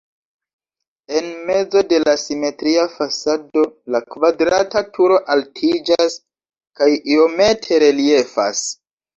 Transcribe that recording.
En mezo de la simetria fasado la kvadrata turo altiĝas kaj iomete reliefas.